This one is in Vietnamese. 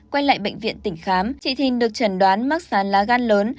quay lại bệnh viện tỉnh khám chị thìn được chẩn đoán mắc sán lá gan lớn